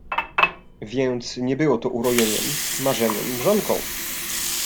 Więc nie było to urojeniem, marzeniem, mrzonką!